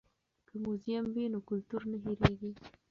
که موزیم وي نو کلتور نه هیریږي.